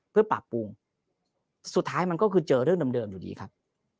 เพื่อปรับปรุงสุดท้ายมันก็คือเจอเรื่องเดิมอยู่ดีครับ